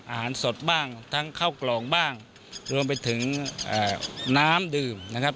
อาหารสดบ้างทั้งข้าวกล่องบ้างรวมไปถึงน้ำดื่มนะครับ